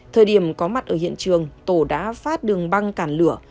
thời điểm có mặt ở hiện trường tổ đã phát đường băng cản lửa